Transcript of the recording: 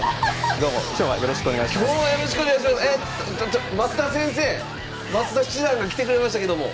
ちょ増田先生！増田七段が来てくれましたけども。